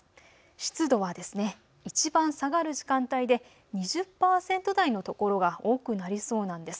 湿度はいちばん下がる時間帯で２０％台の所が多くなりそうなんです。